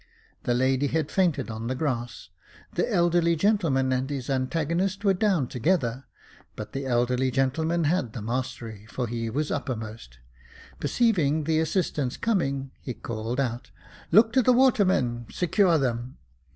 The lady had fainted on the grass j the elderly gentleman and his antagonist were down together, but the elderly gentleman had the mastery, for he was uppermost. Perceiving the assistance coming, he called out, "Look to the watermen, secure them."